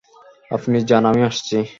আপনি যান আমি আসছি।